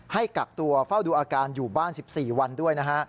ให้กักตัวเฝ้าดูอาการอยู่บ้าน๑๔วันด้วยนะฮะ